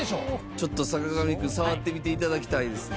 ちょっと坂上くん触ってみて頂きたいですね。